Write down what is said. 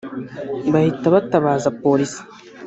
bahita batabaza Polisi